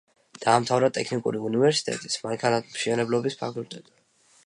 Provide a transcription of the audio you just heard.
დაამთავრა ტექნიკური უნივერსიტეტის მანქანათმშენებლობის ფაკულტეტი.